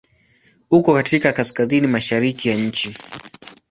Uko katika Kaskazini mashariki ya nchi.